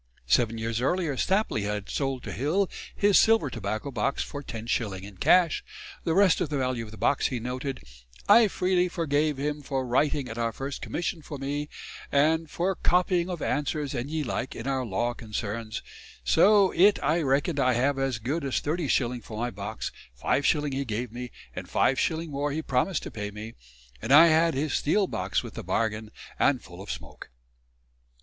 Seven years earlier Stapley had sold to Hill his silver tobacco box for 10s. in cash the rest of the value of the box, he noted, "I freely forgave him for writing at our first commission for me, and for copying of answers and ye like in our law concerns; so yt I reckon I have as good as 30s. for my box: 5s. he gave me, and 5s. more he promised to pay me ... and I had his steel box with the bargain, and full of smoake."